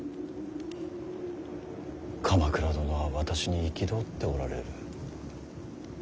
鎌倉殿は私に憤っておられる。